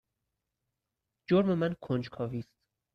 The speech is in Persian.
جرم من کنجکاوی است.